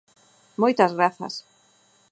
Moitas grazas.